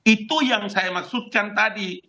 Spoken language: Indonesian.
itu yang saya maksudkan tadi